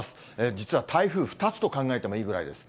実は台風、２つと考えてもいいくらいです。